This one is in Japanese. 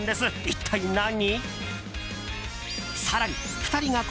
一体何？